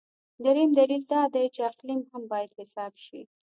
درېیم دلیل دا دی چې اقلیم هم باید حساب شي.